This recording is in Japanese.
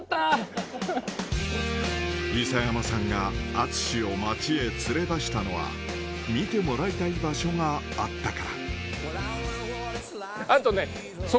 伊佐山さんが淳を街へ連れ出したのは見てもらいたい場所があったからあとね。